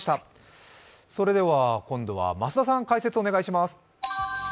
今度は増田さん、解説をお願いします。